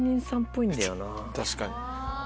確かに。